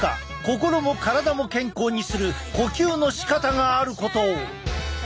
心も体も健康にする呼吸のしかたがあることを！